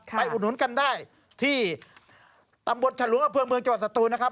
ไปอุดหนุนกันได้ที่ตำบดฉลุงอาเผืองเมืองจัวร์สตูนนะครับ